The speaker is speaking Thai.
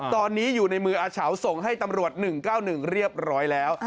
ตอนนี้อยู่ในมืออาเฉาส่งให้ตำรวจ๑๙๑เรียบร้อยแล้ว